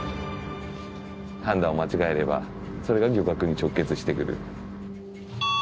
判断を間違えればそれが漁獲に直結してくる。